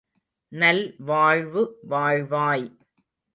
நல் வாழ்வு வாழ்வாய்!